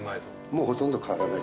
もうほとんど変わらない。